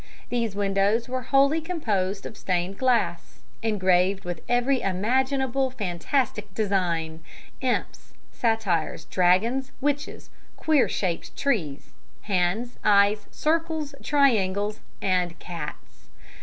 These windows were wholly composed of stained glass, engraved with every imaginable fantastic design imps, satyrs, dragons, witches, queer shaped trees, hands, eyes, circles, triangles and cats.